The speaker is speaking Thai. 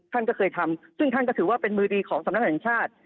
ท่านก็เคยทำซึ่งท่านก็ถือว่าเป็นมือดีของสำนักแห่งชาติ